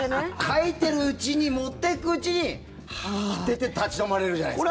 書いてるうちに持ってくうちにはーっっていって立ち止まれるじゃないですか。